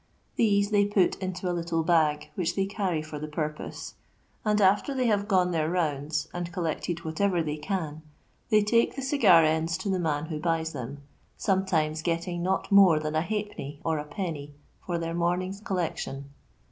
These they put into a little bag which thev carry for the purpose, and, after they have gnne their roundsand collected what ever they cnn, they take the cigar ends to the man who buys (hem— sometimes getting not more than a halfpt niiy ur a penny for their morning's collfc tion.